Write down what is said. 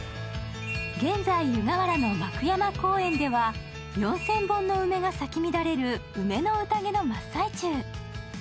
現在、湯河原の幕山公園では４０００本の梅が咲き乱れる梅の宴の真っ最中。